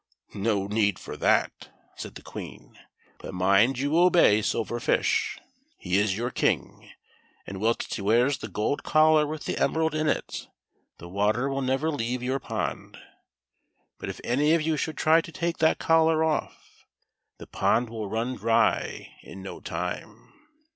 "No need for that," said the Queen; "but mind you obey Silver Fish. He is your King, and whilst he wears the gold collar with the emerald in it, the water will never leave your pond ; but if any of you should try to take that collar off, the pond will run dry in no time."